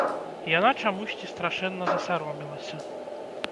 Яна чамусьці страшэнна засаромелася.